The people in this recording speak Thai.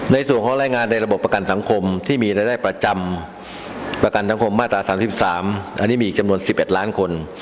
ในส่วนข้อรายงานระบบประกันสังคมมีในได้ประจำประกันสังคมมาตรา๓๓มีจะจำนวนดสิบแปดล้านคน